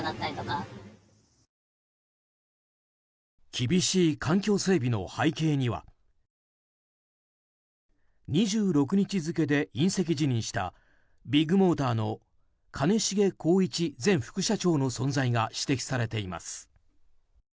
厳しい環境整備の背景には２６日付で引責辞任したビッグモーターの兼重宏一前副社長の存在が指摘されています。